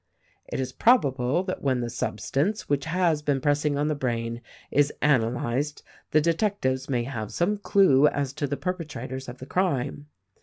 It is probable that when the substance which has been pressing on the brain is analyzed the detectives may have some clue as to the per petrators of the crime.